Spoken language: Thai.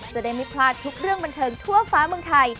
จะได้ไม่พลาดทุกเรื่องบันเทิงทั่วฟ้าเมืองไทย